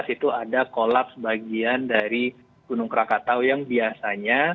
itu ada kolaps bagian dari gunung krakatau yang biasanya